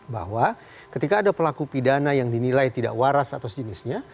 bahwa ketika ada pelaku pidana yang dinilai tidak waras atau sejenisnya